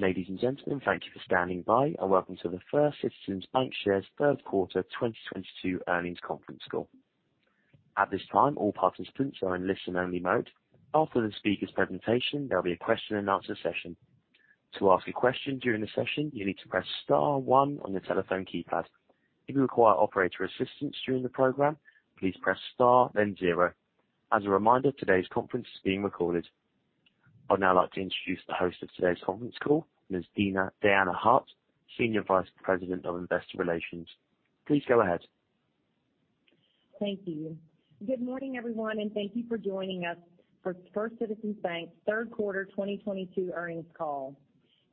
Ladies and gentlemen, thank you for standing by. Welcome to the First Citizens BancShares third quarter 2022 earnings conference call. At this time, all participants are in listen-only mode. After the speaker's presentation, there'll be a question-and-answer session. To ask a question during the session, you need to press star one on your telephone keypad. If you require operator assistance during the program, please press star, then zero. As a reminder, today's conference is being recorded. I'd now like to introduce the host of today's conference call, Deanna Hart, Senior Vice President of Investor Relations. Please go ahead. Thank you. Good morning, everyone, and thank you for joining us for First Citizens BancShares third quarter 2022 earnings call.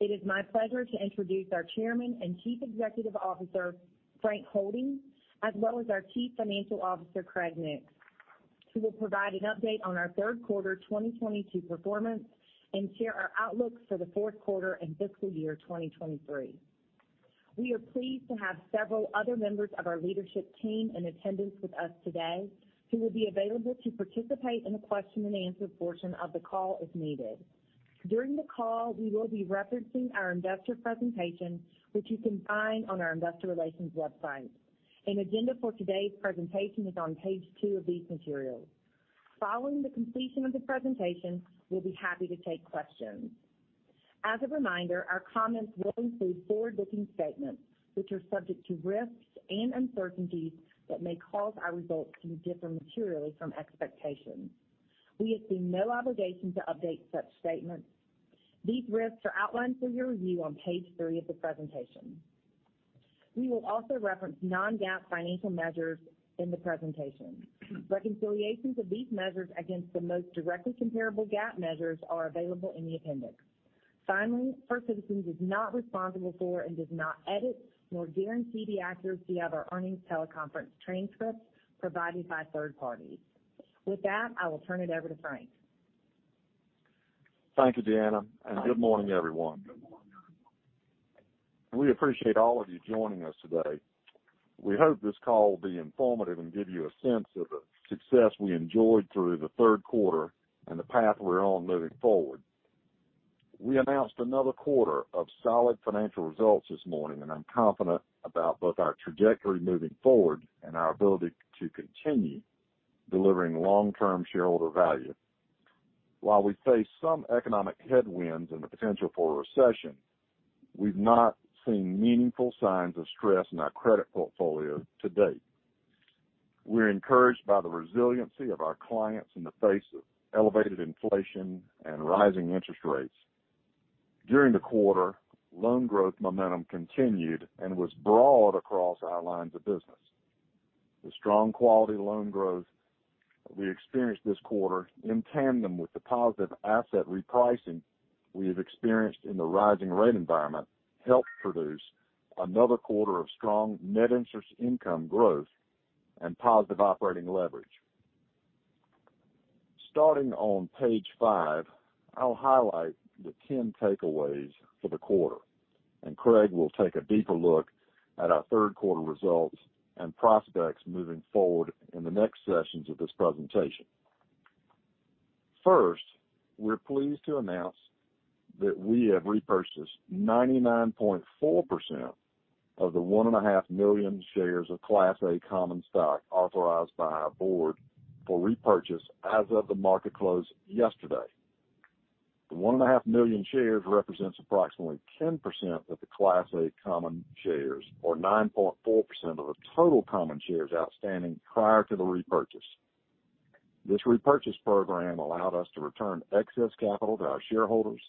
It is my pleasure to introduce our Chairman and Chief Executive Officer, Frank Holding, as well as our Chief Financial Officer, Craig Nix, who will provide an update on our third quarter 2022 performance and share our outlooks for the fourth quarter and fiscal year 2023. We are pleased to have several other members of our leadership team in attendance with us today, who will be available to participate in the question-and-answer portion of the call if needed. During the call, we will be referencing our investor presentation, which you can find on our investor relations website. An agenda for today's presentation is on page 2 of these materials. Following the completion of the presentation, we'll be happy to take questions. As a reminder, our comments will include forward-looking statements, which are subject to risks and uncertainties that may cause our results to differ materially from expectations. We assume no obligation to update such statements. These risks are outlined for your review on page 3 of the presentation. We will also reference non-GAAP financial measures in the presentation. Reconciliations of these measures against the most directly comparable GAAP measures are available in the appendix. Finally, First Citizens is not responsible for and does not edit nor guarantee the accuracy of our earnings teleconference transcripts provided by third parties. With that, I will turn it over to Frank. Thank you, Deanna, and good morning, everyone. We appreciate all of you joining us today. We hope this call will be informative and give you a sense of the success we enjoyed through the third quarter and the path we're on moving forward. We announced another quarter of solid financial results this morning, and I'm confident about both our trajectory moving forward and our ability to continue delivering long-term shareholder value. While we face some economic headwinds and the potential for a recession, we've not seen meaningful signs of stress in our credit portfolio to date. We're encouraged by the resiliency of our clients in the face of elevated inflation and rising interest rates. During the quarter, loan growth momentum continued and was broad across our lines of business. The strong quality loan growth we experienced this quarter, in tandem with the positive asset repricing we have experienced in the rising rate environment, helped produce another quarter of strong net interest income growth and positive operating leverage. Starting on page 5, I'll highlight the key takeaways for the quarter, and Craig will take a deeper look at our third quarter results and prospects moving forward in the next sessions of this presentation. First, we're pleased to announce that we have repurchased 99.4% of the 1.5 million shares of Class A common stock authorized by our board for repurchase as of the market close yesterday. The 1.5 million shares represents approximately 10% of the Class A common shares or 9.4% of the total common shares outstanding prior to the repurchase. This repurchase program allowed us to return excess capital to our shareholders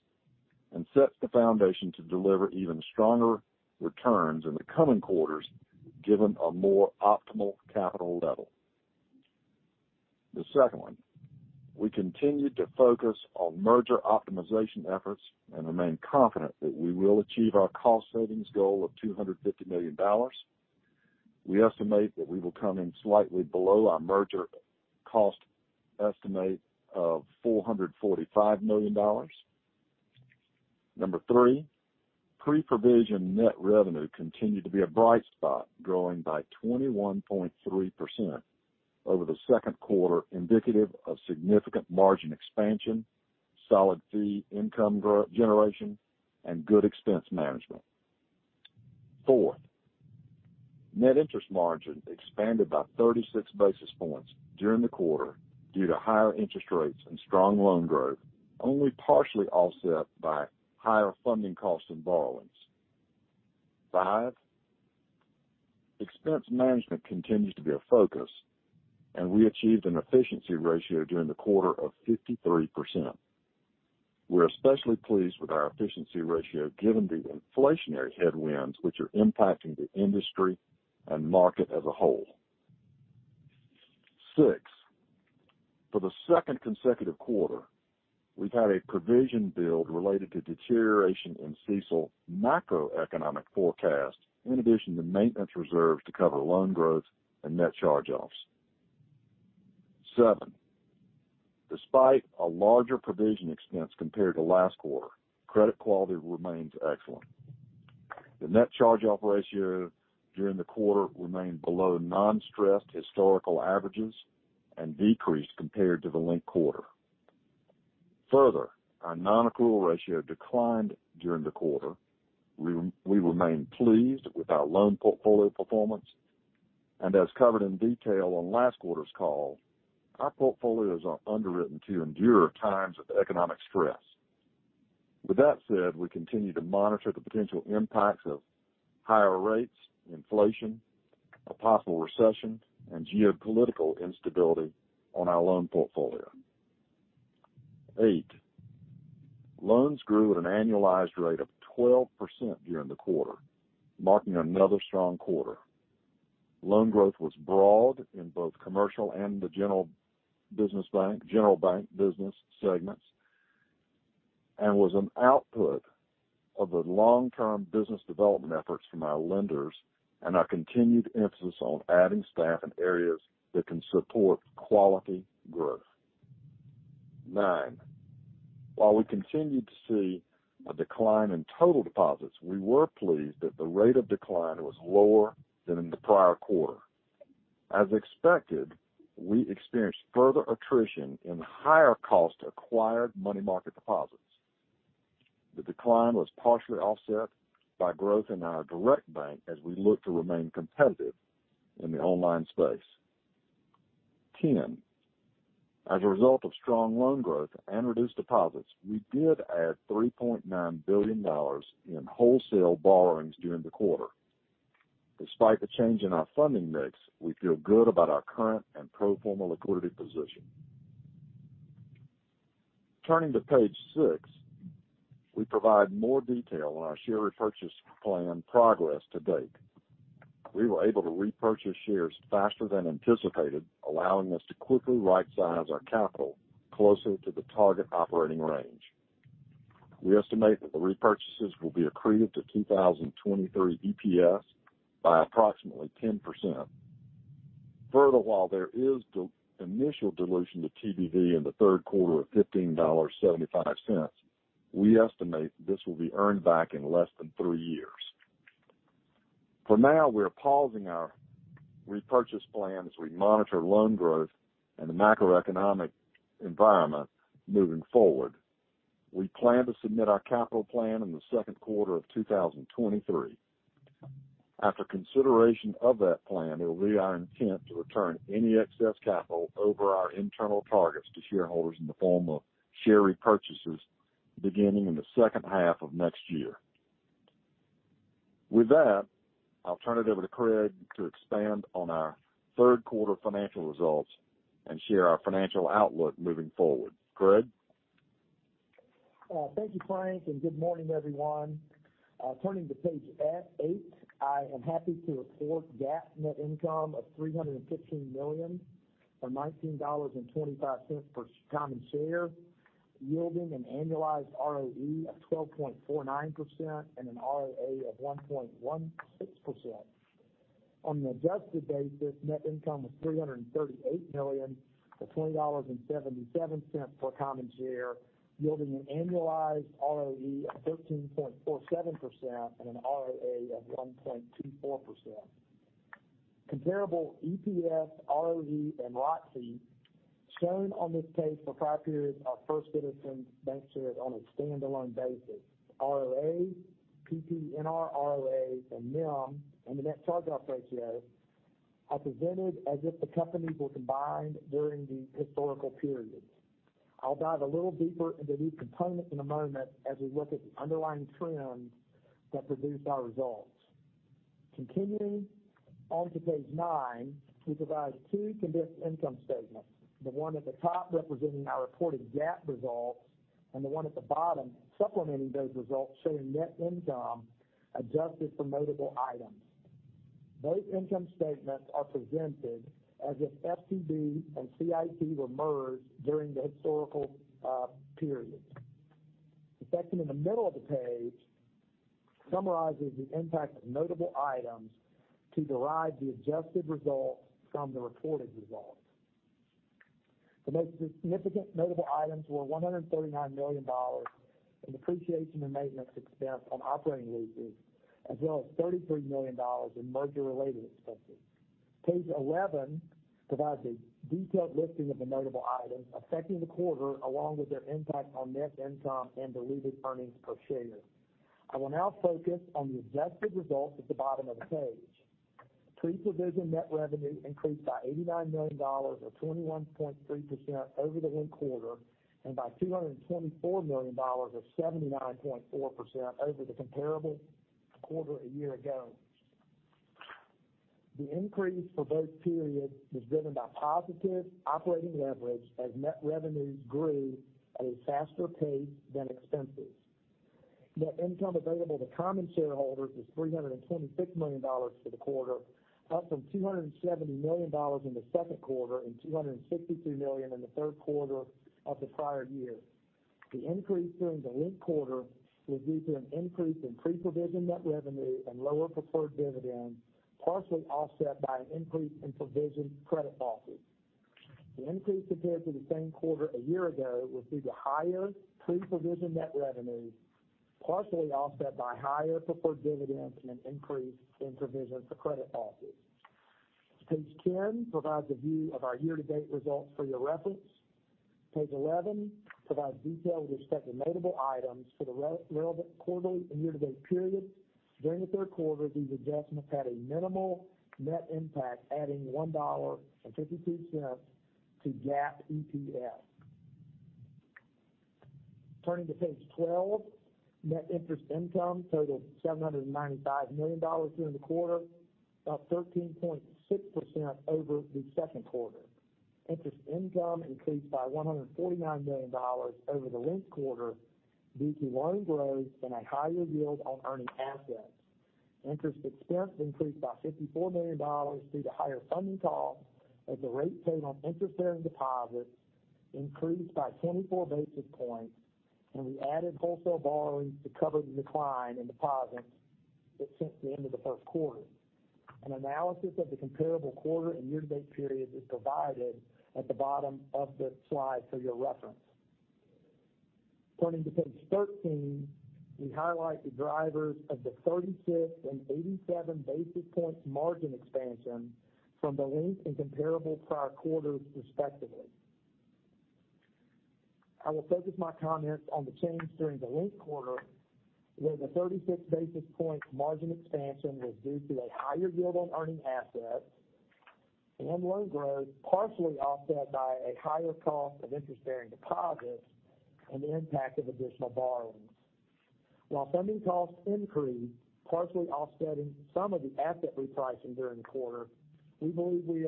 and sets the foundation to deliver even stronger returns in the coming quarters, given a more optimal capital level. The second, we continued to focus on merger optimization efforts and remain confident that we will achieve our cost savings goal of $250 million. We estimate that we will come in slightly below our merger cost estimate of $445 million. Number three, pre-provision net revenue continued to be a bright spot, growing by 21.3% over the second quarter, indicative of significant margin expansion, solid fee income generation, and good expense management. Fourth, net interest margin expanded by 36 basis points during the quarter due to higher interest rates and strong loan growth, only partially offset by higher funding costs and borrowings. Five, expense management continues to be a focus, and we achieved an efficiency ratio during the quarter of 53%. We're especially pleased with our efficiency ratio, given the inflationary headwinds which are impacting the industry and market as a whole. Six, for the second consecutive quarter, we've had a provision build related to deterioration in CECL macroeconomic forecast, in addition to maintenance reserves to cover loan growth and net charge-offs. Seven, despite a larger provision expense compared to last quarter, credit quality remains excellent. The net charge-off ratio during the quarter remained below non-stressed historical averages and decreased compared to the linked quarter. Further, our non-accrual ratio declined during the quarter. We remain pleased with our loan portfolio performance. As covered in detail on last quarter's call, our portfolios are underwritten to endure times of economic stress. With that said, we continue to monitor the potential impacts of higher rates, inflation, a possible recession, and geopolitical instability on our loan portfolio. Eight, loans grew at an annualized rate of 12% during the quarter, marking another strong quarter. Loan growth was broad in both commercial and the general business bank, general bank business segments, and was an output of the long-term business development efforts from our lenders and our continued emphasis on adding staff in areas that can support quality growth. Nine, while we continued to see a decline in total deposits, we were pleased that the rate of decline was lower than in the prior quarter. As expected, we experienced further attrition in higher cost acquired money market deposits. The decline was partially offset by growth in our Direct Bank as we look to remain competitive in the online space. As a result of strong loan growth and reduced deposits, we did add $3.9 billion in wholesale borrowings during the quarter. Despite the change in our funding mix, we feel good about our current and pro forma liquidity position. Turning to page 6, we provide more detail on our share repurchase plan progress to date. We were able to repurchase shares faster than anticipated, allowing us to quickly rightsize our capital closer to the target operating range. We estimate that the repurchases will be accretive to 2023 EPS by approximately 10%. Further, while there is initial dilution to TBV in the third quarter of $15.75, we estimate this will be earned back in less than three years. For now, we are pausing our repurchase plan as we monitor loan growth and the macroeconomic environment moving forward. We plan to submit our capital plan in the second quarter of 2023. After consideration of that plan, it will be our intent to return any excess capital over our internal targets to shareholders in the form of share repurchases beginning in the second half of next year. With that, I'll turn it over to Craig to expand on our third quarter financial results and share our financial outlook moving forward. Craig? Thank you, Frank, and good morning, everyone. Turning to page 8, I am happy to report GAAP net income of $315 million, or $19.25 per common share, yielding an annualized ROE of 12.49% and an ROA of 1.16%. On an adjusted basis, net income was $338 million, or $20.77 per common share, yielding an annualized ROE of 13.47% and an ROA of 1.24%. Comparable EPS, ROE, and ROC seen on this page for five periods are First Citizens BancShares on a standalone basis. ROA, PPNR ROA, and NIM and the net charge-off ratio are presented as if the companies were combined during the historical periods. I'll dive a little deeper into these components in a moment as we look at the underlying trends that produced our results. Continuing on to page 9, we provide two condensed income statements, the one at the top representing our reported GAAP results and the one at the bottom supplementing those results showing net income adjusted for notable items. Both income statements are presented as if FCB and CIT were merged during the historical periods. The section in the middle of the page summarizes the impact of notable items to derive the adjusted results from the reported results. The most significant notable items were $139 million in depreciation and maintenance expense on operating leases, as well as $33 million in merger-related expenses. Page 11 provides a detailed listing of the notable items affecting the quarter, along with their impact on net income and diluted earnings per share. I will now focus on the adjusted results at the bottom of the page. Pre-provision net revenue increased by $89 million or 21.3% over the linked quarter and by $224 million or 79.4% over the comparable quarter a year ago. The increase for both periods was driven by positive operating leverage as net revenues grew at a faster pace than expenses. Net income available to common shareholders was $326 million for the quarter, up from $270 million in the second quarter and $263 million in the third quarter of the prior year. The increase during the linked quarter was due to an increase in pre-provision net revenue and lower preferred dividends, partially offset by an increase in provision for credit losses. The increase compared to the same quarter a year ago was due to higher pre-provision net revenue, partially offset by higher preferred dividends and an increase in provision for credit losses. Page 10 provides a view of our year-to-date results for your reference. Page 11 provides details with respect to notable items for the quarterly and year-to-date period. During the third quarter, these adjustments had a minimal net impact, adding $1.52 to GAAP EPS. Turning to page 12. Net interest income totaled $795 million during the quarter, up 13.6% over the second quarter. Interest income increased by $149 million over the linked quarter due to loan growth and a higher yield on earning assets. Interest expense increased by $54 million due to higher funding costs as the rate paid on interest-bearing deposits increased by 24 basis points, and we added wholesale borrowings to cover the decline in deposits that since the end of the first quarter. An analysis of the comparable quarter and year-to-date period is provided at the bottom of the slide for your reference. Turning to page 13, we highlight the drivers of the 36 and 87 basis points margin expansion from the linked and comparable prior quarters, respectively. I will focus my comments on the change during the linked quarter, where the 36 basis points margin expansion was due to a higher yield on earning assets and loan growth, partially offset by a higher cost of interest-bearing deposits and the impact of additional borrowings. While funding costs increased, partially offsetting some of the asset repricing during the quarter, we believe we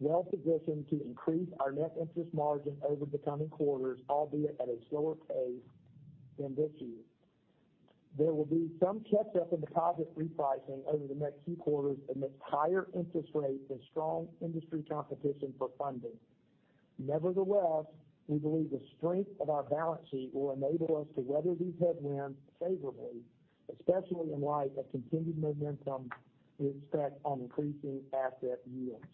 are well positioned to increase our net interest margin over the coming quarters, albeit at a slower pace than this year. There will be some catch-up in deposit repricing over the next few quarters amidst higher interest rates and strong industry competition for funding. Nevertheless, we believe the strength of our balance sheet will enable us to weather these headwinds favorably, especially in light of continued momentum we expect on increasing asset yields.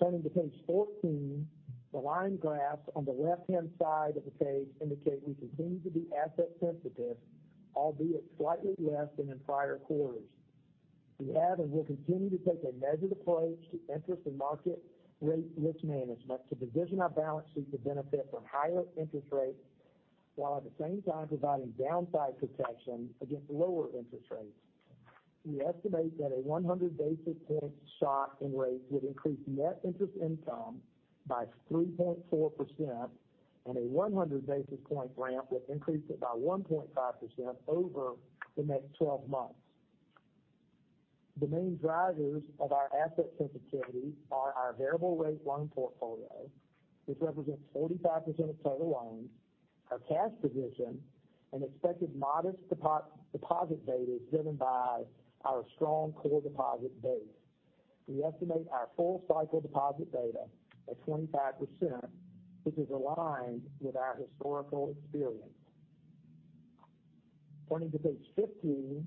Turning to page 14. The line graphs on the left-hand side of the page indicate we continue to be asset sensitive, albeit slightly less than in prior quarters. We have and will continue to take a measured approach to interest and market rate risk management to position our balance sheet to benefit from higher interest rates, while at the same time providing downside protection against lower interest rates. We estimate that a 100 basis points shock in rates would increase net interest income by 3.4% and a 100 basis points ramp would increase it by 1.5% over the next 12 months. The main drivers of our asset sensitivity are our variable rate loan portfolio, which represents 45% of total loans, our cash position, and expected modest deposit betas driven by our strong core deposit base. We estimate our full cycle deposit beta at 25%, which is aligned with our historical experience. Turning to page 15,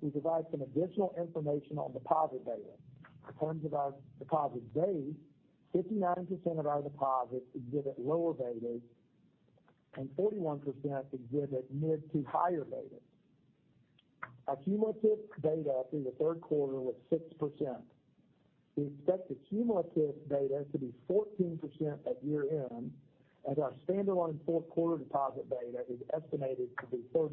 we provide some additional information on deposit beta. In terms of our deposit base, 59% of our deposits exhibit lower betas and 41% exhibit mid to higher betas. Our cumulative beta through the third quarter was 6%. We expect the cumulative beta to be 14% at year-end, as our standalone fourth quarter deposit beta is estimated to be 34%.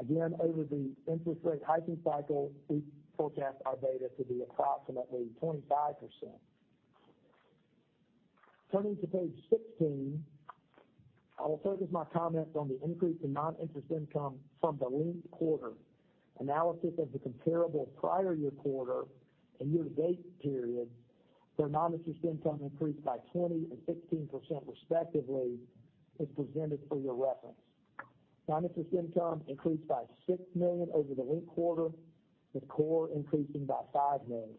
Again, over the interest rate hiking cycle, we forecast our beta to be approximately 25%. Turning to page 16, I will focus my comments on the increase in non-interest income from the linked quarter. Analysis of the comparable prior year quarter and year-to-date period where non-interest income increased by 20% and 16% respectively is presented for your reference. Non-interest income increased by $6 million over the linked quarter, with core increasing by $5 million.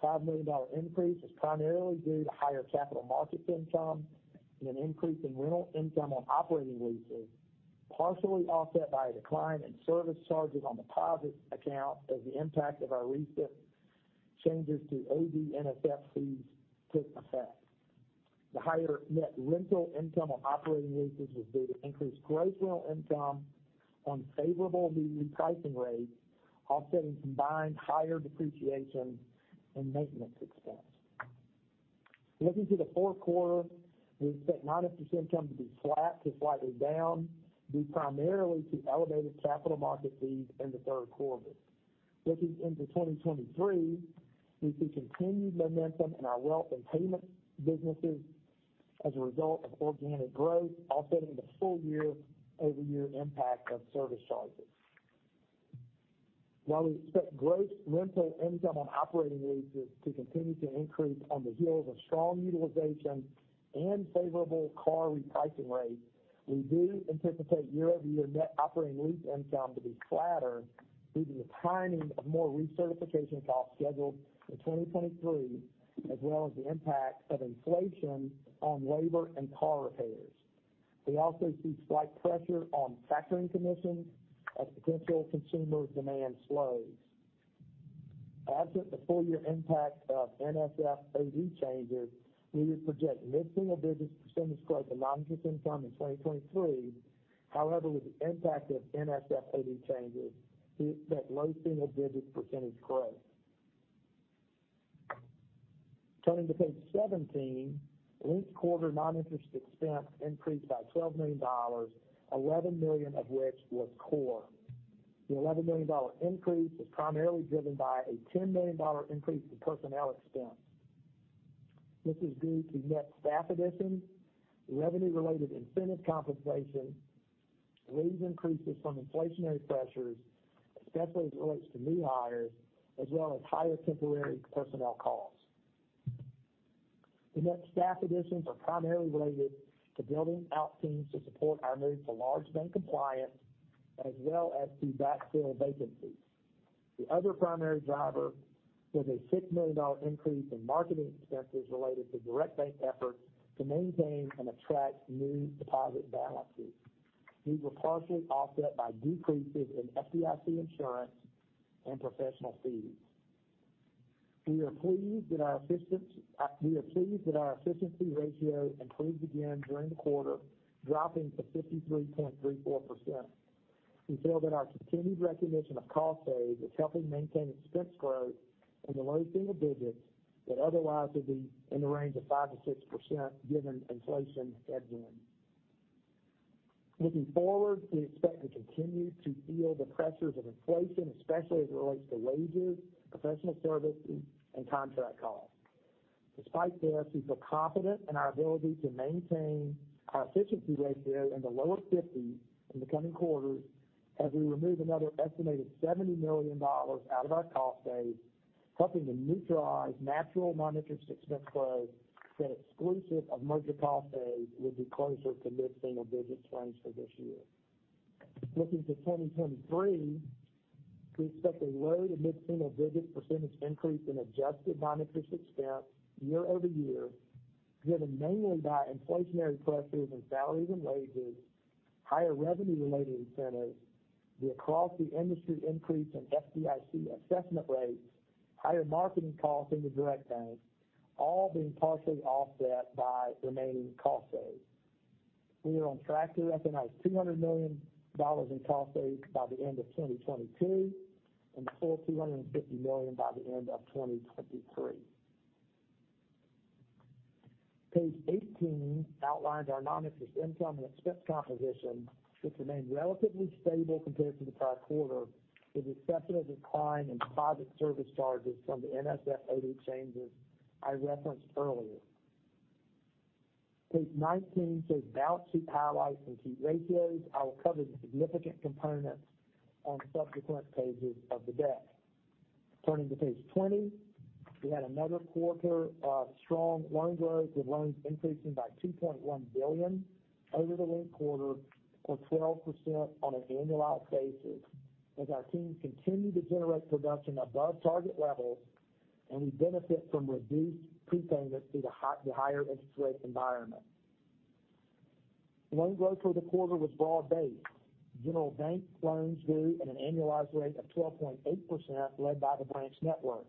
The $5 million increase is primarily due to higher capital markets income and an increase in rental income on operating leases, partially offset by a decline in service charges on deposit accounts as the impact of our recent changes to OD/NSF fees took effect. The higher net rental income on operating leases was due to increased gross rental income on favorable new repricing rates, offsetting combined higher depreciation and maintenance expense. Looking to the fourth quarter, we expect non-interest income to be flat to slightly down, due primarily to elevated capital market fees in the third quarter. Looking into 2023, we see continued momentum in our wealth and payment businesses as a result of organic growth offsetting the full year-over-year impact of service charges. While we expect gross rental income on operating leases to continue to increase on the heels of strong utilization and favorable car repricing rates, we do anticipate year-over-year net operating lease income to be flatter due to the timing of more recertification costs scheduled in 2023, as well as the impact of inflation on labor and car repairs. We also see slight pressure on factoring commissions as potential consumer demand slows. Absent the full year impact of NSF/OD changes, we would project mid-single-digit percentage growth in non-interest income in 2023. However, with the impact of NSF/OD changes, we expect low single-digit percentage growth. Turning to page 17. Linked-quarter non-interest expense increased by $12 million, $11 million of which was core. The $11 million increase was primarily driven by a $10 million increase in personnel expense. This is due to net staff additions, revenue-related incentive compensation, wage increases from inflationary pressures, especially as it relates to new hires, as well as higher temporary personnel costs. The net staff additions are primarily related to building out teams to support our move to large bank compliance as well as to backfill vacancies. The other primary driver was a $6 million increase in marketing expenses related to Direct Bank efforts to maintain and attract new deposit balances. These were partially offset by decreases in FDIC insurance and professional fees. We are pleased that our efficiency ratio improved again during the quarter, dropping to 53.34%. We feel that our continued recognition of cost savings is helping maintain expense growth in the low single digits that otherwise would be in the range of 5%-6% given inflation headwinds. Looking forward, we expect to continue to feel the pressures of inflation, especially as it relates to wages, professional services and contract costs. Despite this, we feel confident in our ability to maintain our efficiency ratio in the lower fifties in the coming quarters as we remove another estimated $70 million out of our cost base, helping to neutralize natural non-interest expense growth that exclusive of merger cost savings would be closer to mid-single digits range for this year. Looking to 2023, we expect a low- to mid-single-digit percentage increase in adjusted non-interest expense year-over-year, driven mainly by inflationary pressures and salaries and wages, higher revenue related incentives, the across the industry increase in FDIC assessment rates, higher marketing costs in the Direct Bank, all being partially offset by remaining cost saves. We are on track to recognize $200 million in cost saves by the end of 2022 and a full $250 million by the end of 2023. Page 18 outlines our non-interest income and expense composition, which remained relatively stable compared to the prior quarter, with exceptional decline in deposit service charges from the NSF/OD changes I referenced earlier. Page 19 shows balance sheet highlights and key ratios. I will cover the significant components on subsequent pages of the deck. Turning to page 20. We had another quarter of strong loan growth, with loans increasing by $2.1 billion over the linked quarter or 12% on an annualized basis as our teams continue to generate production above target levels and we benefit from reduced prepayments due to the higher interest rate environment. Loan growth for the quarter was broad-based. General bank loans grew at an annualized rate of 12.8%, led by the branch network.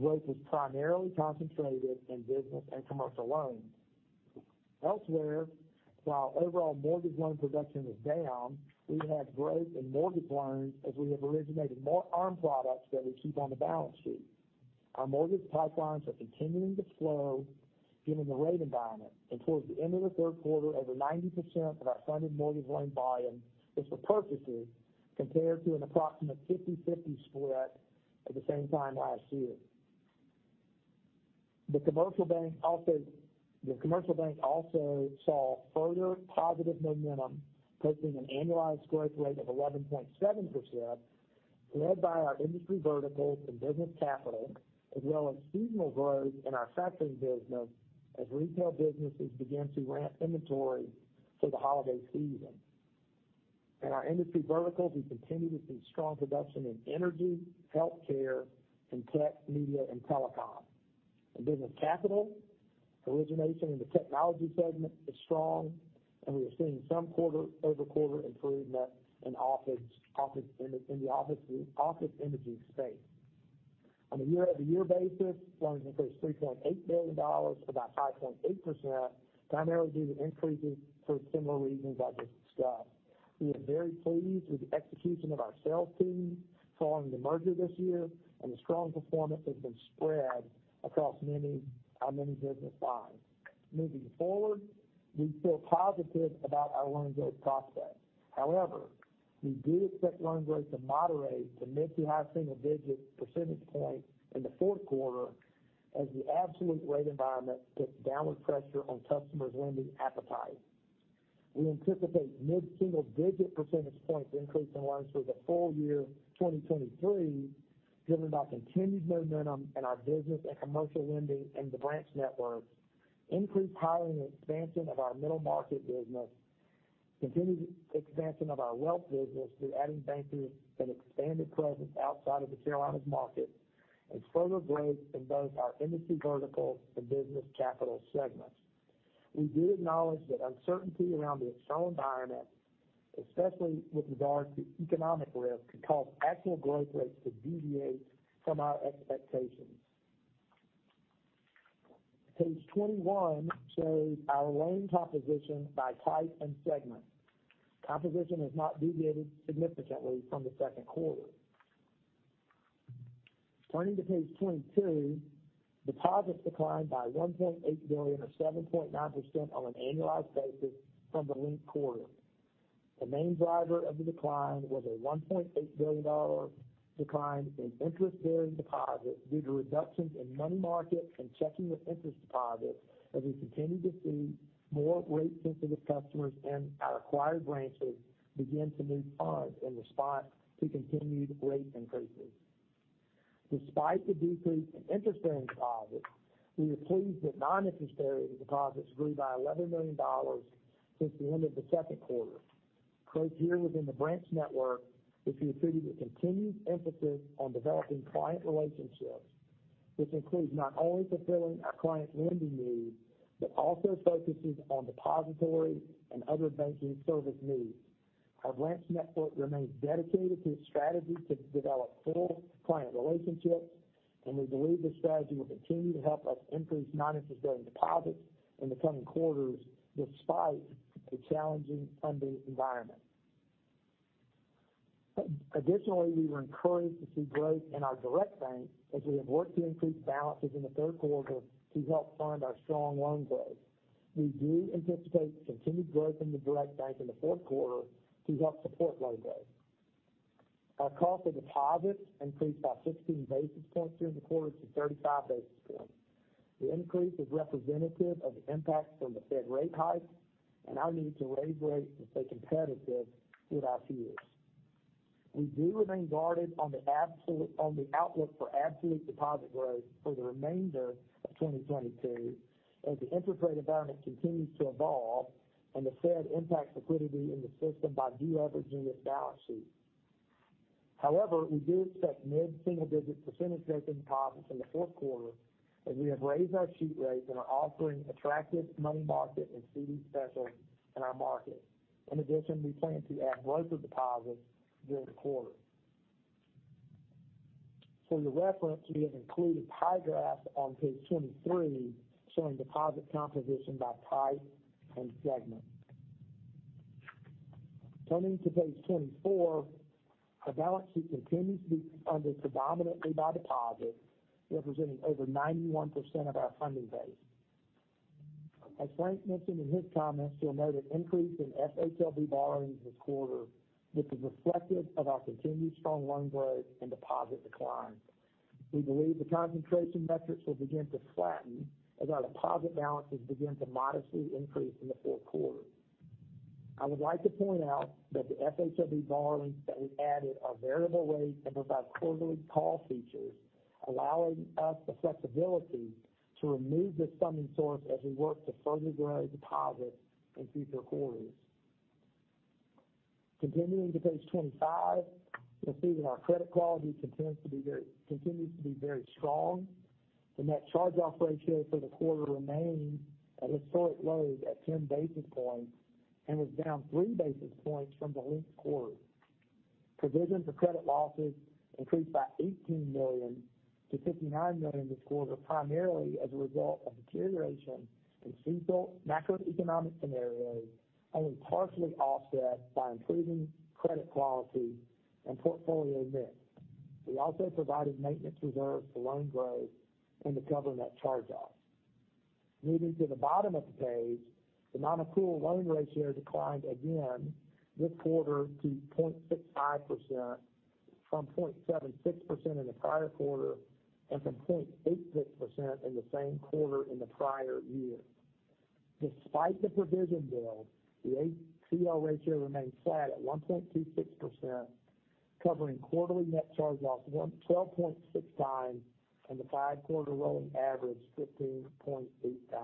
Growth was primarily concentrated in business and commercial loans. Elsewhere, while overall mortgage loan production was down, we had growth in mortgage loans as we have originated more ARM products that we keep on the balance sheet. Our mortgage pipelines are continuing to slow given the rate environment, and towards the end of the third quarter, over 90% of our funded mortgage loan volume is for purchases compared to an approximate 50/50 split at the same time last year. The Commercial Bank also saw further positive momentum, posting an annualized growth rate of 11.7%, led by our industry verticals and Business Capital, as well as seasonal growth in our factoring business as retail businesses begin to ramp inventory for the holiday season. In our industry verticals, we continue to see strong production in energy, healthcare and tech, media and telecom. In Business Capital, origination in the technology segment is strong and we are seeing some quarter-over-quarter improvement in office imaging space. On a year-over-year basis, loans increased $3.8 billion, about 5.8%, primarily due to increases for similar reasons I just discussed. We are very pleased with the execution of our sales team following the merger this year and the strong performance that's been spread across our many business lines. Moving forward, we feel positive about our loan growth prospects. However, we do expect loan growth to moderate to mid- to high-single-digit percentage points in the fourth quarter as the absolute rate environment puts downward pressure on customers' lending appetite. We anticipate mid-single-digit percentage points increase in loans for the full year 2023, driven by continued momentum in our business and commercial lending and the branch network, increased hiring and expansion of our middle-market business, continued expansion of our wealth business through adding bankers and expanded presence outside of the Carolinas market and further growth in both our industry verticals and Business Capital segments. We do acknowledge that uncertainty around the external environment, especially with regard to economic risk, could cause actual growth rates to deviate from our expectations. Page 21 shows our loan composition by type and segment. Composition has not deviated significantly from the second quarter. Turning to page 22, deposits declined by $1.8 billion or 7.9% on an annualized basis from the linked quarter. The main driver of the decline was a $1.8 billion decline in interest-bearing deposits due to reductions in money market and checking with interest deposits, as we continue to see more rate-sensitive customers in our acquired branches begin to move funds in response to continued rate increases. Despite the decrease in interest-bearing deposits, we are pleased that non-interest-bearing deposits grew by $11 million since the end of the second quarter. Growth here within the branch network is attributed to continued emphasis on developing client relationships, which includes not only fulfilling our client's lending needs, but also focuses on depository and other banking service needs. Our branch network remains dedicated to the strategy to develop full client relationships, and we believe this strategy will continue to help us increase non-interest-bearing deposits in the coming quarters despite the challenging funding environment. Additionally, we were encouraged to see growth in our Direct Bank as we have worked to increase balances in the third quarter to help fund our strong loan growth. We do anticipate continued growth in the Direct Bank in the fourth quarter to help support loan growth. Our cost of deposits increased by 16 basis points during the quarter to 35 basis points. The increase is representative of the impact from the Fed rate hike and our need to raise rates to stay competitive with our peers. We do remain guarded on the outlook for absolute deposit growth for the remainder of 2022 as the interest rate environment continues to evolve and the Fed impacts liquidity in the system by deleverage its balance sheet. However, we do expect mid-single-digit percentage growth in deposits in the fourth quarter, as we have raised our deposit rates and are offering attractive money market and CD specials in our market. In addition, we plan to add brokered deposits during the quarter. For your reference, we have included pie graphs on page 23 showing deposit composition by type and segment. Turning to page 24, our balance sheet continues to be funded predominantly by deposits, representing over 91% of our funding base. As Frank mentioned in his comments, you'll note an increase in FHLB borrowings this quarter, which is reflective of our continued strong loan growth and deposit decline. We believe the concentration metrics will begin to flatten as our deposit balances begin to modestly increase in the fourth quarter. I would like to point out that the FHLB borrowings that we added are variable rate and provide quarterly call features, allowing us the flexibility to remove this funding source as we work to further grow deposits in future quarters. Continuing to page 25, you'll see that our credit quality continues to be very strong, the net charge-off ratio for the quarter remained at historic lows at 10 basis points and was down 3 basis points from the linked quarter. Provision for credit losses increased by $18 million to $59 million this quarter, primarily as a result of deterioration in CECL macroeconomic scenarios, only partially offset by improving credit quality and portfolio mix. We also provided maintenance reserves for loan growth and to cover net charge-offs. Moving to the bottom of the page, the non-accrual loan ratio declined again this quarter to 0.65% from 0.76% in the prior quarter and from 0.86% in the same quarter in the prior year. Despite the provision build, the ACL ratio remains flat at 1.26%, covering quarterly net charge-offs 112.6x and the five-quarter rolling average, 15.8x.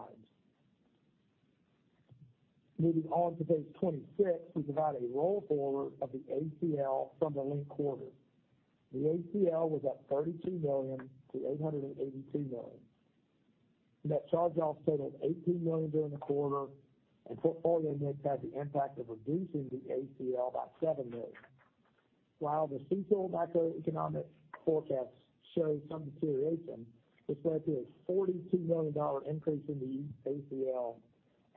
Moving on to page 26, we provide a roll-forward of the ACL from the linked quarter. The ACL was up $32 million to $882 million. Net charge-offs totaled $18 million during the quarter and portfolio mix had the impact of reducing the ACL by $7 million. While the CECL macroeconomic forecasts show some deterioration, which led to a $42 million increase in the ACL,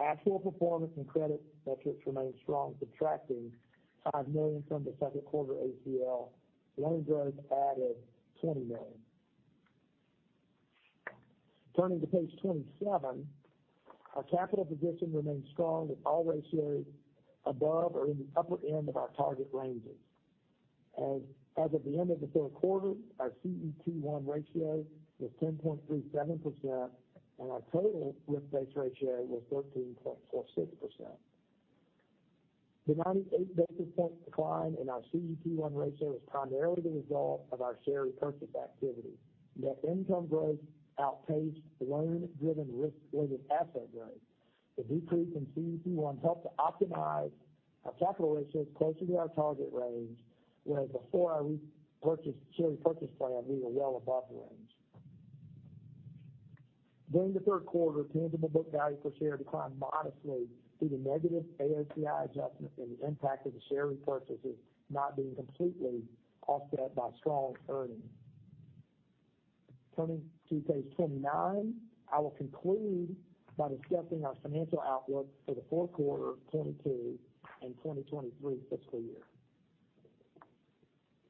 actual performance and credit metrics remained strong, subtracting $5 million from the second quarter ACL. Loan growth added $20 million. Turning to page 27, our capital position remains strong with all ratios above or in the upper end of our target ranges. As of the end of the third quarter, our CET1 ratio was 10.37% and our total risk-based ratio was 13.46%. The 98 basis point decline in our CET1 ratio was primarily the result of our share repurchase activity. Net income growth outpaced loan-driven risk-weighted asset growth. The decrease in CET1 helped to optimize our capital ratios closer to our target range, whereas before our share repurchase plan, we were well above the range. During the third quarter, tangible book value per share declined modestly due to negative AOCI adjustments and the impact of the share repurchases not being completely offset by strong earnings. Turning to page 29, I will conclude by discussing our financial outlook for the fourth quarter of 2022 and 2023 fiscal year.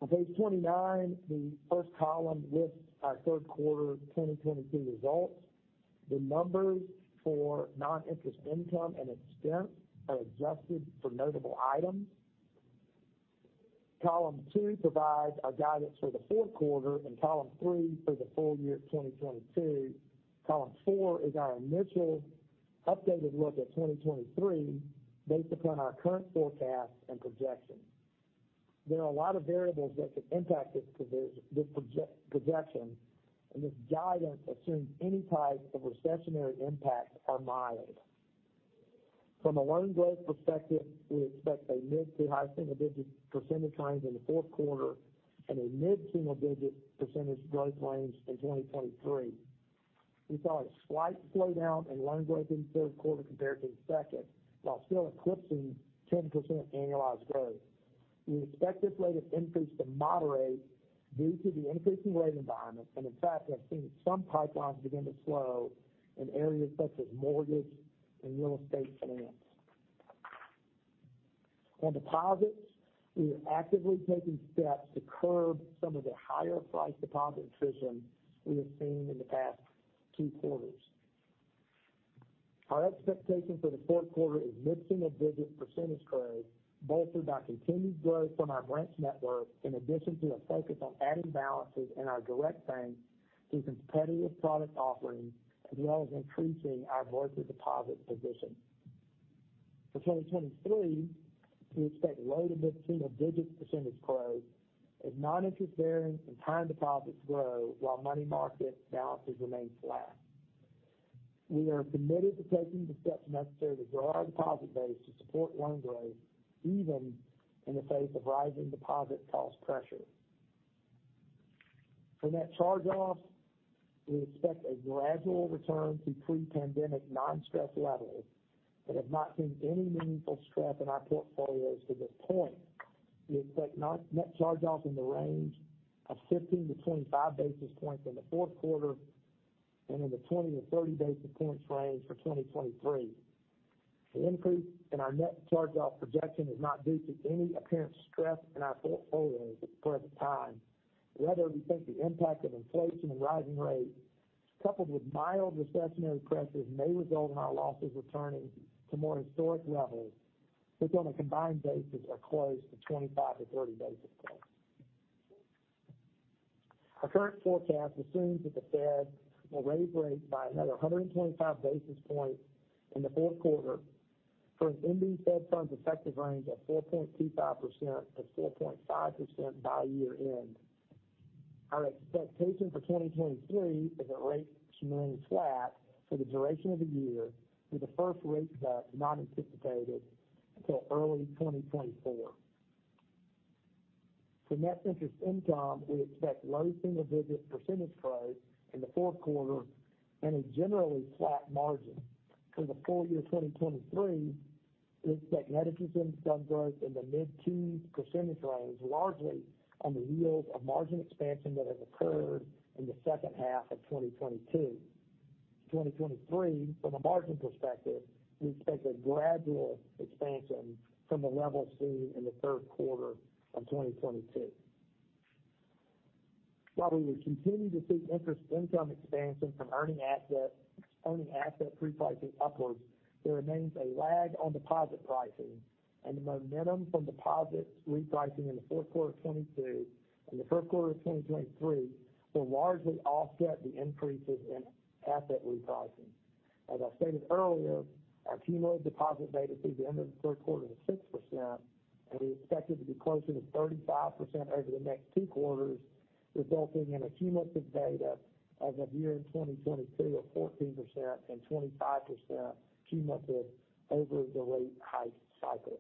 On page 29, the first column lists our third quarter 2022 results. The numbers for non-interest income and expense are adjusted for notable items. Column two provides our guidance for the fourth quarter and column three for the full year 2022. Column four is our initial updated look at 2023 based upon our current forecast and projections. There are a lot of variables that could impact this projection, and this guidance assumes any type of recessionary impacts are mild. From a loan growth perspective, we expect a mid- to high-single-digit percentage range in the fourth quarter and a mid-single-digit % growth range in 2023. We saw a slight slowdown in loan growth in the third quarter compared to the second, while still eclipsing 10% annualized growth. We expect this rate of increase to moderate due to the increasing rate environment, and in fact, we are seeing some pipelines begin to slow in areas such as mortgage and real estate finance. On deposits, we are actively taking steps to curb some of the higher price deposit attrition we have seen in the past two quarters. Our expectation for the fourth quarter is mid-single-digit percentage growth, bolstered by continued growth from our branch network, in addition to a focus on adding balances in our Direct Bank through competitive product offerings, as well as increasing our brokered deposit position. For 2023, we expect low- to mid-single-digit percentage growth as non-interest-bearing and time deposits grow while money market balances remain flat. We are committed to taking the steps necessary to grow our deposit base to support loan growth, even in the face of rising deposit cost pressure. For net charge-offs, we expect a gradual return to pre-pandemic non-stressed levels, but have not seen any meaningful stress in our portfolios to this point. We expect net charge-offs in the range of 15-25 basis points in the fourth quarter and in the 20-30 basis points range for 2023. The increase in our net charge-off projection is not due to any apparent stress in our portfolios at the present time. Rather, we think the impact of inflation and rising rates, coupled with mild recessionary pressures, may result in our losses returning to more historic levels, which on a combined basis are close to 25-30 basis points. Our current forecast assumes that the Fed will raise rates by another 125 basis points in the fourth quarter for a mid-band Fed funds effective range of 4.25%-4.5% by year-end. Our expectation for 2023 is that rates remain flat for the duration of the year, with the first rate cut not anticipated until early 2024. For net interest income, we expect low single-digit percentage growth in the fourth quarter and a generally flat margin. For the full year 2023, we expect net interest income growth in the mid-2% range, largely on the heels of margin expansion that has occurred in the second half of 2022. 2023, from a margin perspective, we expect a gradual expansion from the levels seen in the third quarter of 2022. While we will continue to see interest income expansion from earning asset repricing upwards, there remains a lag on deposit pricing and the momentum from deposit repricing in the fourth quarter of 2022 and the first quarter of 2023 will largely offset the increases in asset repricing. As I stated earlier, our cumulative deposit beta through the end of the third quarter is 6%, and we expect it to be closer to 35% over the next two quarters, resulting in a cumulative beta of the year 2022 of 14% and 25% cumulative over the rate hike cycle.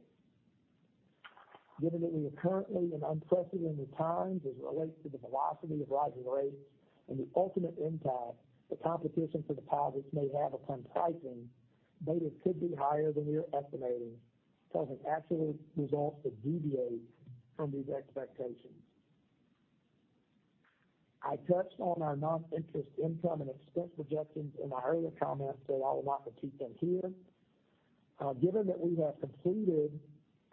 Given that we are currently in unprecedented times as it relates to the velocity of rising rates and the ultimate impact the competition for deposits may have upon pricing, beta could be higher than we are estimating, causing actual results to deviate from these expectations. I touched on our non-interest income and expense projections in my earlier comments, so I will not repeat them here. Given that we have completed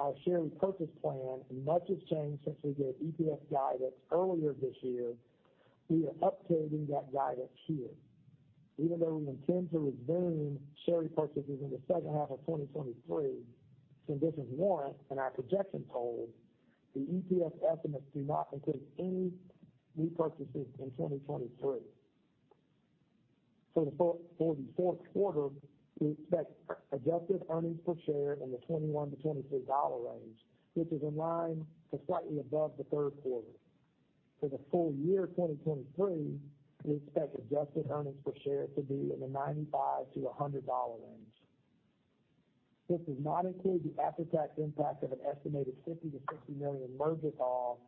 our share repurchase plan and much has changed since we gave EPS guidance earlier this year, we are updating that guidance here. Even though we intend to resume share repurchases in the second half of 2023 when conditions warrant and our projections hold, the EPS estimates do not include any repurchases in 2023. For the fourth quarter, we expect adjusted earnings per share in the $21-$23 range, which is in line to slightly above the third quarter. For the full year 2023, we expect adjusted earnings per share to be in the $95-$100 range. This does not include the after-tax impact of an estimated $50 million-$60 million merger cost,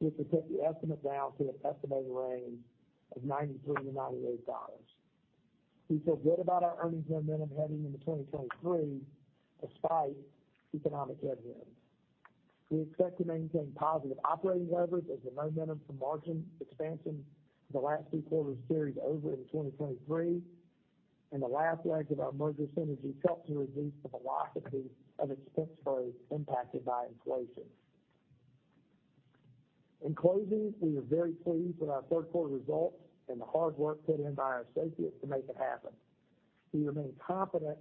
which would take the estimate down to an estimated range of $93-$98. We feel good about our earnings momentum heading into 2023 despite economic headwinds. We expect to maintain positive operating leverage as the momentum from margin expansion for the last three quarters carries over into 2023, and the last leg of our merger synergy helps to reduce the velocity of expense growth impacted by inflation. In closing, we are very pleased with our third quarter results and the hard work put in by our associates to make it happen. We remain confident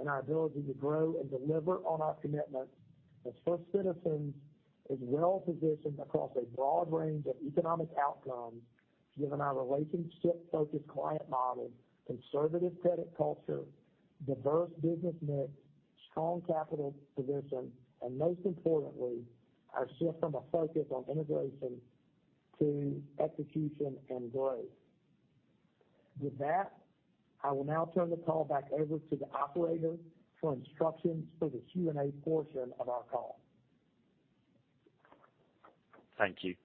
in our ability to grow and deliver on our commitment as First Citizens is well positioned across a broad range of economic outcomes, given our relationship-focused client model, conservative credit culture, diverse business mix, strong capital position, and most importantly, our shift from a focus on integration to execution and growth. With that, I will now turn the call back over to the operator for instructions for the Q&A portion of our call. Thank you.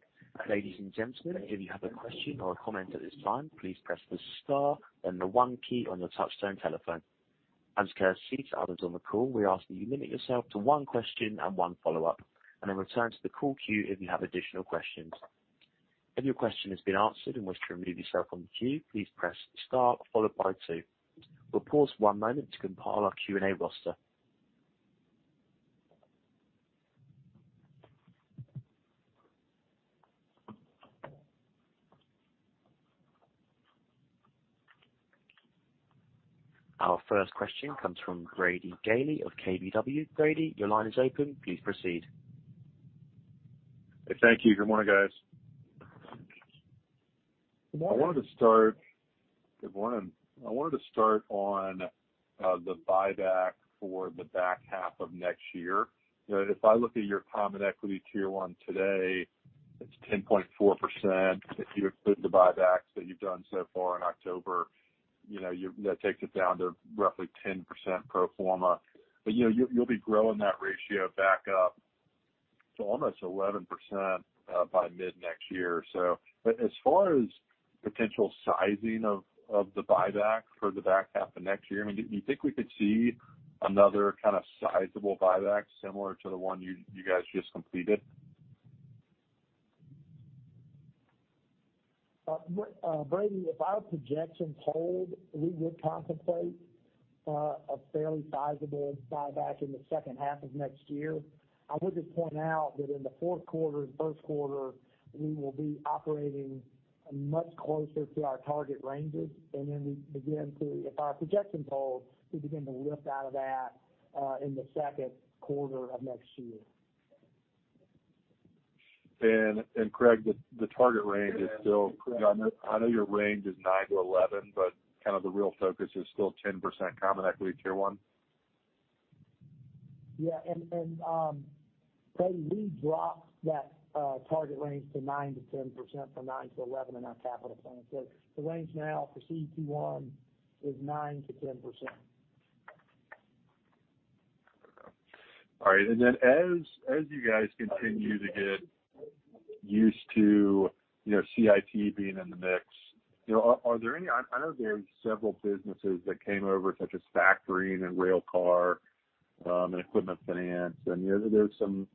Ladies and gentlemen, if you have a question or a comment at this time, please press the star then the one key on your touchtone telephone. As a courtesy to others on the call, we ask that you limit yourself to one question and one follow-up, and then return to the call queue if you have additional questions. If your question has been answered and wish to remove yourself from the queue, please press star followed by two. We'll pause one moment to compile our Q&A roster. Our first question comes from Brady Gailey of KBW. Brady, your line is open. Please proceed. Thank you. Good morning, guys. Good morning. Good morning. I wanted to start on the buyback for the back half of next year. You know, if I look at your Common Equity Tier 1 today, it's 10.4%. If you include the buybacks that you've done so far in October, you know, that takes it down to roughly 10% pro forma. You know, you'll be growing that ratio back up to almost 11%, by mid-next year. As far as potential sizing of the buyback for the back half of next year, I mean, do you think we could see another kind of sizable buyback similar to the one you guys just completed? Brady, if our projections hold, we would contemplate a fairly sizable buyback in the second half of next year. I would just point out that in the fourth quarter and first quarter, we will be operating much closer to our target ranges. If our projections hold, we begin to lift out of that in the second quarter of next year. Craig, the target range is still, you know, I know your range is 9%-11%, but kind of the real focus is still 10% Common Equity Tier 1. Brady, we dropped that target range to 9%-10% from 9%-11% in our capital plan. The range now for CET1 is 9%-10%. All right. Then as you guys continue to get used to, you know, CIT being in the mix, you know, are there any. I know there are several businesses that came over, such as factoring and railcar and equipment finance, and, you know, there's some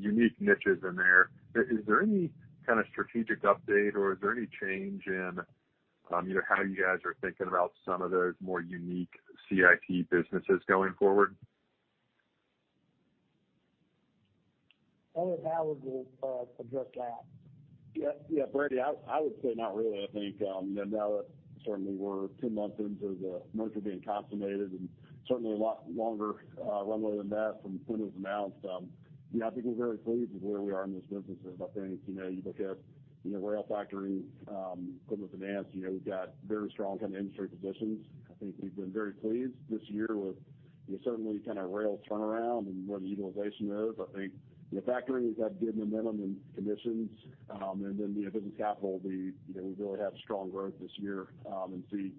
unique niches in there. Is there any kind of strategic update, or is there any change in, you know, how you guys are thinking about some of those more unique CIT businesses going forward? Elliot Howard will address that. Yeah, yeah. Brady, I would say not really. I think, you know, now that certainly we're 10 months into the merger being consummated and certainly a lot longer runway than that from when it was announced, you know, I think we're very pleased with where we are in this business. I think, you know, you look at, you know, rail, factoring, equipment finance, you know, we've got very strong kind of industry positions. I think we've been very pleased this year with certainly kind of rail turnaround and where the utilization is. I think the factoring has had good momentum and commissions. Then, you know, Business Capital. We've really had strong growth this year, and we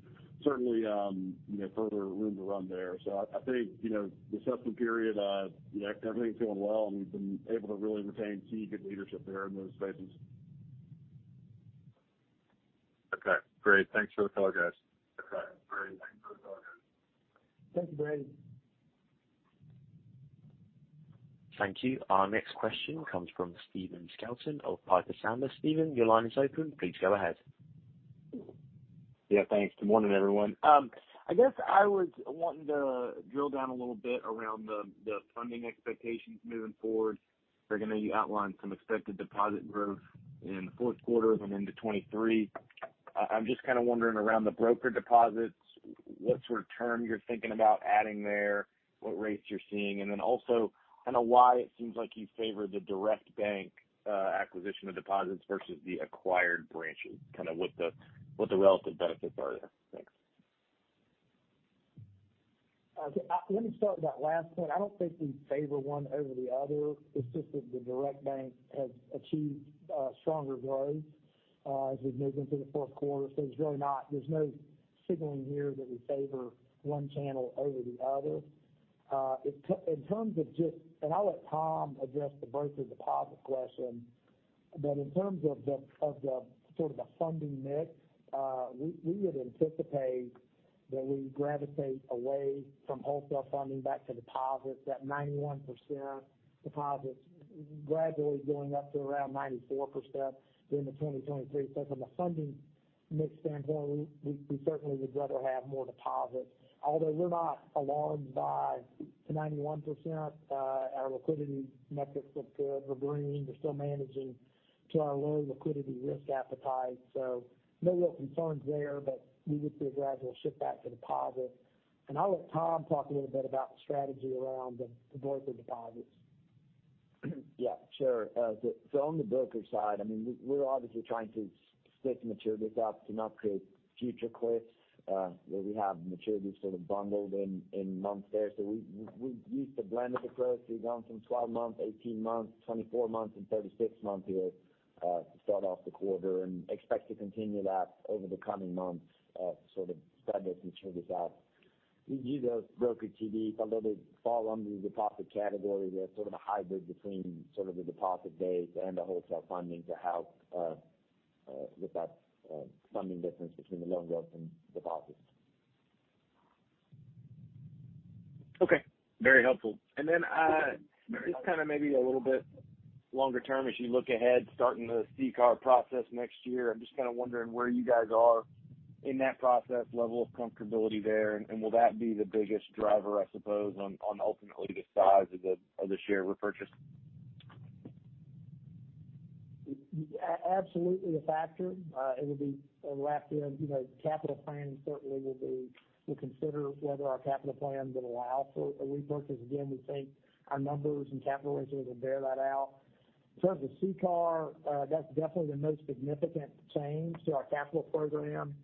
certainly see, you know, further room to run there. I think, you know, the assessment period, you know, everything's going well and we've been able to really retain key good leadership there in those spaces. Okay, great. Thanks for the color, guys. Okay. Thank you, Brady. Thank you. Our next question comes from Stephen Scouten of Piper Sandler. Stephen, your line is open. Please go ahead. Yeah, thanks. Good morning, everyone. I guess I was wanting to drill down a little bit around the funding expectations moving forward, figuring that you outlined some expected deposit growth in the fourth quarter and into 2023. I'm just kind of wondering about the brokered deposits, what sort of term you're thinking about adding there, what rates you're seeing, and then also kind of why it seems like you favor the Direct Bank acquisition of deposits versus the acquired branches, kind of what the relative benefits are there. Thanks. Let me start with that last point. I don't think we favor one over the other. It's just that the Direct Bank has achieved stronger growth as we've moved into the fourth quarter. There's really no signaling here that we favor one channel over the other. I'll let Tom address the brokered deposit question. In terms of the funding mix, we would anticipate that we gravitate away from wholesale funding back to deposits, that 91% deposits gradually going up to around 94% during 2023. From a funding mix standpoint, we certainly would rather have more deposits. Although we're not alarmed by the 91%. Our liquidity metrics look good. We're green. We're still managing to our low liquidity risk appetite. No real concerns there, but we would see a gradual shift back to deposits. I'll let Tom talk a little bit about the strategy around the brokered deposits. Yeah, sure. So on the broker side, I mean, we're obviously trying to stick to maturities out to not create future cliffs, where we have maturities sort of bundled in months there. We used a blend of approaches, going from 12-month, 18-month, 24-month and 36-month here, to start off the quarter and expect to continue that over the coming months, to sort of spread those maturities out. We use those brokered CDs. Although they fall under the deposit category, they're sort of a hybrid between sort of the deposit base and the wholesale funding to help with that funding difference between the loan growth and deposits. Okay, very helpful. Just kind of maybe a little bit longer term as you look ahead, starting the CCAR process next year. I'm just kind of wondering where you guys are in that process, level of comfortability there, and will that be the biggest driver, I suppose, on ultimately the size of the share repurchase? Absolutely a factor. It'll be wrapped in, you know, capital plans certainly will be, will consider whether our capital plan will allow for a repurchase. Again, we think our numbers and capital ratios will bear that out. In terms of CCAR, that's definitely the most significant change to our capital program.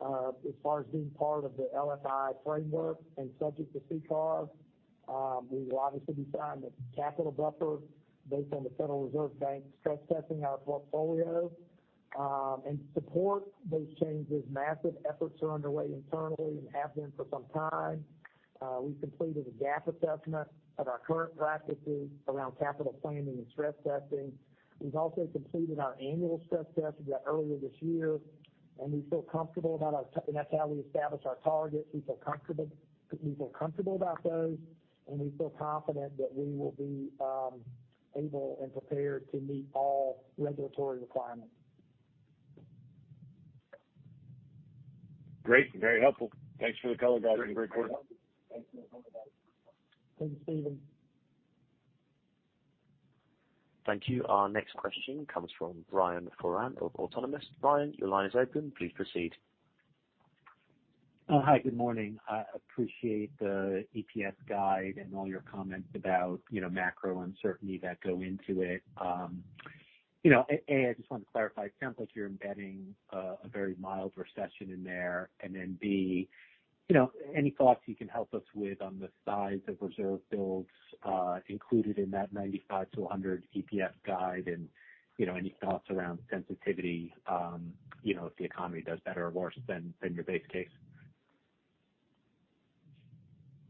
As far as being part of the LISCC framework and subject to CCAR, we will obviously be tying the capital buffer based on the Federal Reserve Bank stress testing our portfolio. In support of those changes, massive efforts are underway internally and have been for some time. We've completed a gap assessment of our current practices around capital planning and stress testing. We've also completed our annual stress test we got earlier this year, and we feel comfortable about, and that's how we establish our targets. We feel comfortable about those, and we feel confident that we will be able and prepared to meet all regulatory requirements. Great. Very helpful. Thanks for the color, guidance, and great quarter. Thanks, Stephen. Thank you. Our next question comes from Brian Foran of Autonomous Research. Brian, your line is open. Please proceed. Hi, good morning. I appreciate the EPS guide and all your comments about, you know, macro uncertainty that go into it. You know, A, I just wanted to clarify, it sounds like you're embedding a very mild recession in there. B, you know, any thoughts you can help us with on the size of reserve builds included in that $95-$100 EPS guide? You know, any thoughts around sensitivity, you know, if the economy does better or worse than your base case?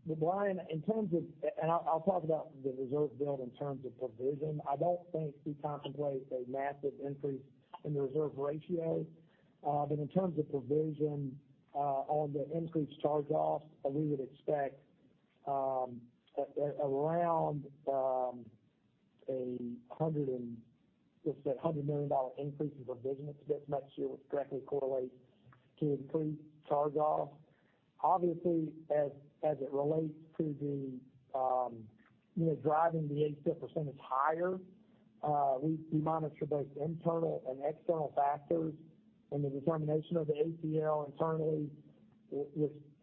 Well, Brian, in terms of and I'll talk about the reserve build in terms of provision. I don't think we contemplate a massive increase in the reserve ratio. In terms of provision on the increased charge-offs, we would expect around $100 million increase in provision next year, which directly correlates to increased charge-offs. Obviously, as it relates to the you know driving the ACL percentage higher, we monitor both internal and external factors in the determination of the ACL. Internally, we're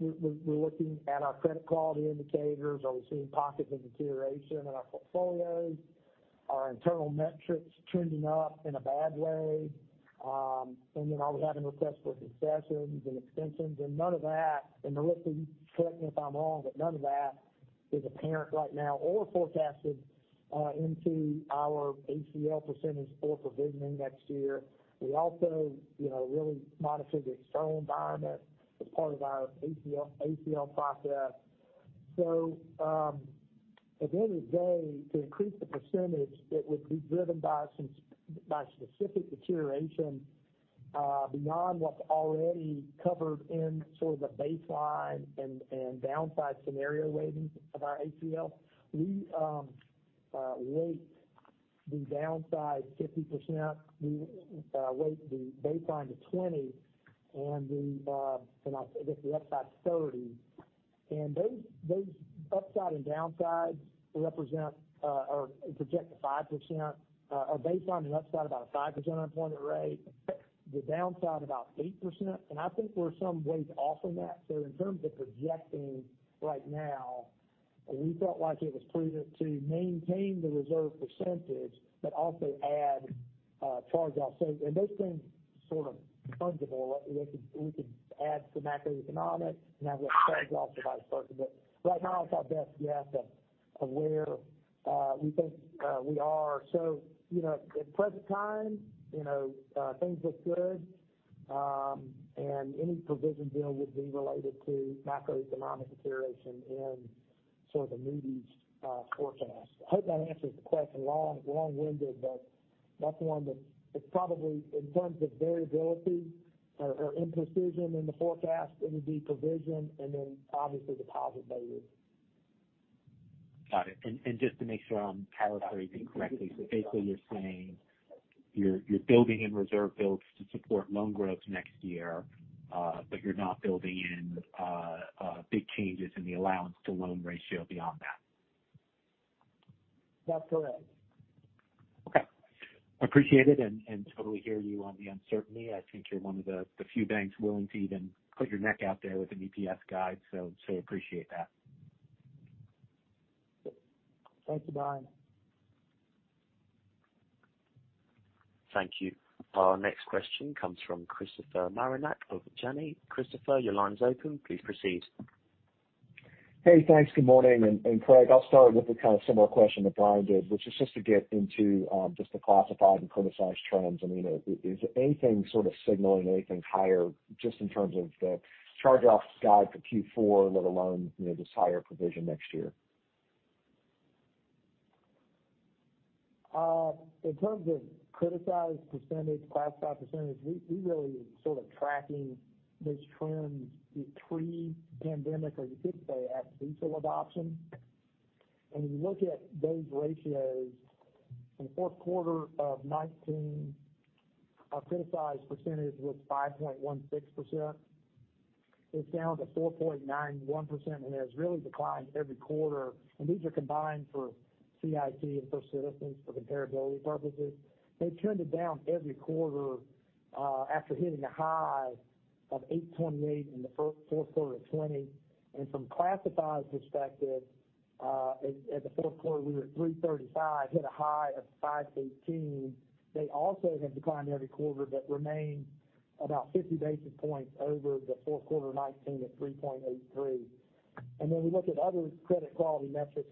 looking at our credit quality indicators. Are we seeing pockets of deterioration in our portfolios? Are internal metrics trending up in a bad way? Are we having requests for concessions and extensions? None of that, Melissa, you correct me if I'm wrong, but none of that is apparent right now or forecasted into our ACL percentage or provisioning next year. We also really monitor the external environment as part of our ACL process. At the end of the day, to increase the percentage, it would be driven by specific deterioration beyond what's already covered in sort of the baseline and downside scenario weighting of our ACL. We weight the downside 50%. We weight the baseline to 20% and I guess the upside is 30. Those upside and downsides represent or project to 5%. Our baseline on the upside about a 5% unemployment rate. The downside about 8%. I think we're some ways off from that. In terms of projecting right now, we felt like it was prudent to maintain the reserve percentage but also add charge-offs and those things are sort of fungible. We can add some macroeconomic and have that charge-off, vice versa. Right now it's our best guess of where we think we are. You know, at present time, you know, things look good. Any provision build would be related to macroeconomic deterioration and sort of the Moody's forecast. I hope that answers the question. Long-winded, but that's one that it's probably in terms of variability or imprecision in the forecast, it would be provision and then obviously deposit beta. Got it. Just to make sure I'm calibrating correctly. Basically you're saying you're building in reserve builds to support loan growth next year, but you're not building in big changes in the allowance to loan ratio beyond that? That's correct. Okay. Appreciate it and totally hear you on the uncertainty. I think you're one of the few banks willing to even put your neck out there with an EPS guide, so appreciate that. Thank you, Brian. Thank you. Our next question comes from Christopher Marinac of Janney. Christopher, your line's open. Please proceed. Hey, thanks. Good morning. Craig, I'll start with a kind of similar question that Brian did, which is just to get into just the classified and criticized trends. I mean, is anything sort of signaling anything higher just in terms of the charge-off guide for Q4, let alone, you know, just higher provision next year? In terms of criticized percentage, classified percentage, we really sort of tracking those trends between pandemic or you could say at CECL adoption. When you look at those ratios, in fourth quarter of 2019, our criticized percentage was 5.16%. It's down to 4.91% and has really declined every quarter. These are combined for CIT and for Citizens for comparability purposes. They trended down every quarter after hitting a high of 8.28% in the fourth quarter of 2020. From classified perspective, at the fourth quarter, we were at 3.35%, hit a high of 5.18%. They also have declined every quarter but remain about 50 basis points over the fourth quarter of 2019 at 3.83%. We look at other credit quality metrics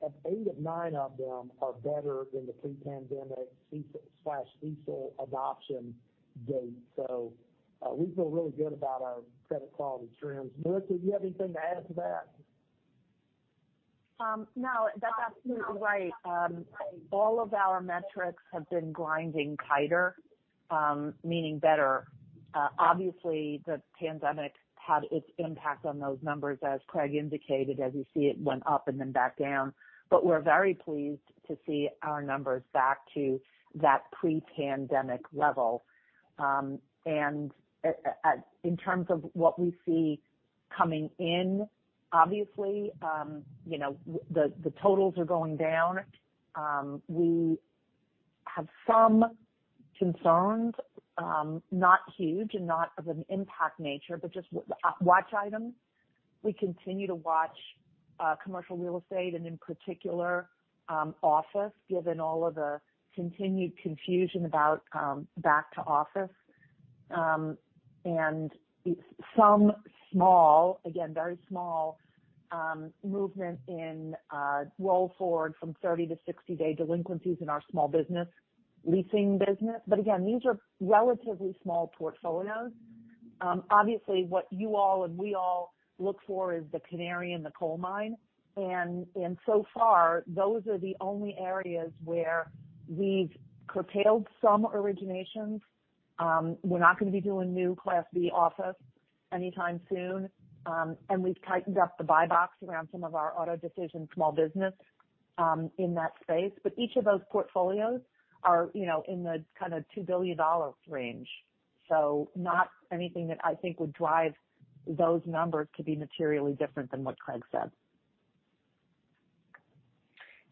and about eight of nine of them are better than the pre-pandemic CECL adoption date. We feel really good about our credit quality trends. Deanna, do you have anything to add to that? No, that's absolutely right. All of our metrics have been grinding tighter, meaning better. Obviously the pandemic had its impact on those numbers, as Craig indicated. As you see, it went up and then back down. We're very pleased to see our numbers back to that pre-pandemic level. In terms of what we see coming in, obviously, you know, the totals are going down. We have some concerns, not huge and not of an impact nature, but just watch items. We continue to watch commercial real estate and in particular, office, given all of the continued confusion about back-to-office. Some small, again, very small, movement in roll forward from 30- to 60-day delinquencies in our small business leasing business. Again, these are relatively small portfolios. Obviously what you all and we all look for is the canary in the coal mine. So far, those are the only areas where we've curtailed some originations. We're not gonna be doing new Class B office anytime soon. We've tightened up the buy box around some of our auto decision small business in that space. Each of those portfolios are, you know, in the kind of $2 billion range. Not anything that I think would drive those numbers to be materially different than what Craig said.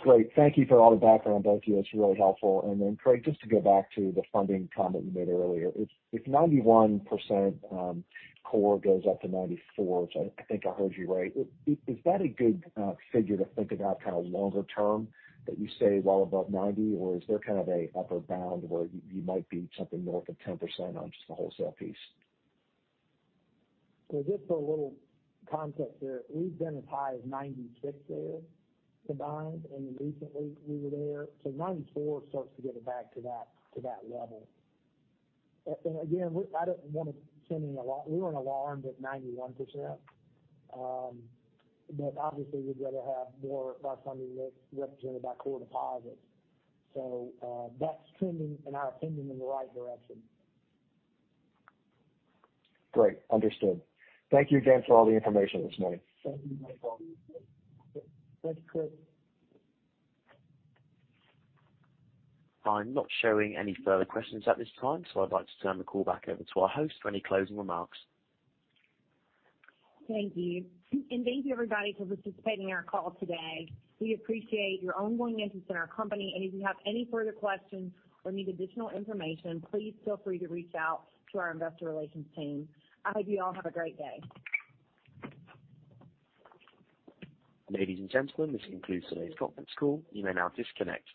Great. Thank you for all the background, both of you. It's really helpful. Then Craig, just to go back to the funding comment you made earlier. If 91%, core goes up to 94%, which I think I heard you right, is that a good figure to think about kind of longer term, that you stay well above 90%? Or is there kind of an upper bound where you might be something north of 10% on just the wholesale piece? Just for a little context there, we've been as high as 96% there combined and recently we were there. Ninety-four starts to get it back to that, to that level. And again, we weren't alarmed at 91%. But obviously we'd rather have more of our funding represented by core deposits. That's trending in our opinion, in the right direction. Great. Understood. Thank you again for all the information this morning. Thank you. Thanks, Chris. I'm not showing any further questions at this time, so I'd like to turn the call back over to our host for any closing remarks. Thank you. Thank you, everybody, for participating in our call today. We appreciate your ongoing interest in our company, and if you have any further questions or need additional information, please feel free to reach out to our Investor Relations team. I hope you all have a great day. Ladies and gentlemen, this concludes today's conference call. You may now disconnect.